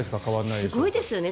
すごいですよね。